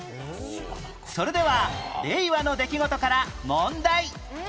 それでは令和の出来事から問題